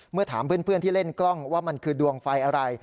เมื่อถามเพื่อนที่เล่นกล้องว่ามันคือดวงไฟอะไร